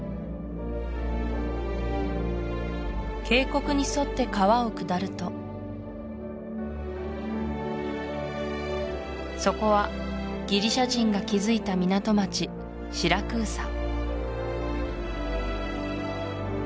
渓谷に沿って川を下るとそこはギリシア人が築いた港町シラクーサ